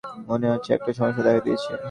মনে হচ্ছে একটা সমস্যা দেখা দিয়েছে।